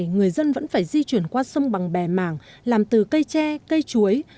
người dân vẫn phải di chuyển qua sông bằng bè mảng làm từ cây tre cây chuối